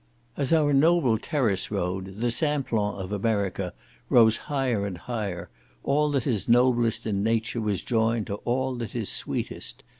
As our noble terrace road, the Semplon of America, rose higher and higher, all that is noblest in nature was joined to all that is sweetest.